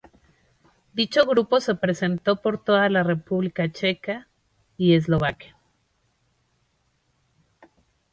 Dicho grupo se presentó por toda la República Checa y Eslovaquia.